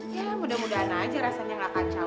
ya mudah mudahan aja rasanya gak kacau